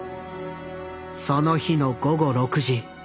その日の午後６時。